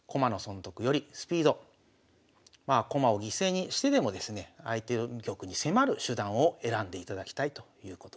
まあ駒を犠牲にしてでもですね相手玉に迫る手段を選んでいただきたいということですね。